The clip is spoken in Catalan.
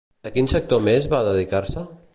A quin sector més va dedicar-se?